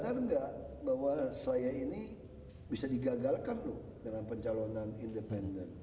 pak kalian sadar gak bahwa saya ini bisa digagalkan loh dengan pencalonan independen